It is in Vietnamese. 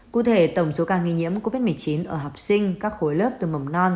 cụ thể tổng số ca nghi nhiễm covid một mươi chín ở học sinh các khối lớp từ mầm non